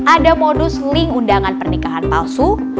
ada modus link undangan pernikahan palsu